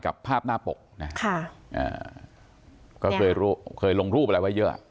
กับภาพหน้าปกนะฮะค่ะอ่าก็เคยรู้เคยลงรูปอะไรไว้เยอะ